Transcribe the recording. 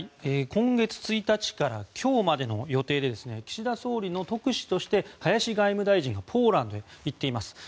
今月１日から今日までの予定で岸田総理の特使として林外務大臣がポーランドへ行っています。